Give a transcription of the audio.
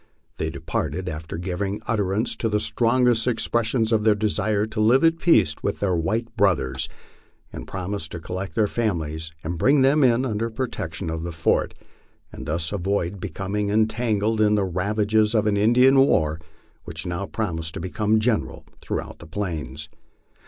They departed after giving utterance to the strongest expres sions of their desire to live at peace with their "white brothers," and promised to collect their families and bring them in under protection of the fort, and thus avoid becoming entangled in the ravages of an Indian war which now promised to become general throughout the Plains.